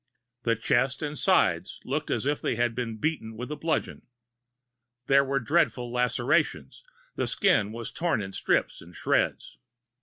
The chest and sides looked as if they had been beaten with a bludgeon. There were dreadful lacerations; the skin was torn in strips and shreds.